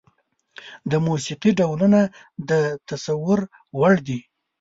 د موسيقي ډولونه د تصور وړ دي.